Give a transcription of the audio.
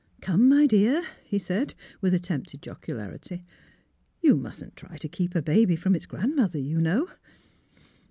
'' Come, my dear," he said, with attempted jocularity, ^' you mustn't try to keep a baby from its grandmother, you know."